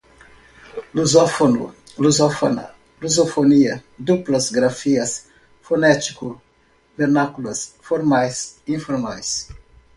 lusófono, lusófona, lusofonia, duplas grafias, fonético, vernáculas, formais, informais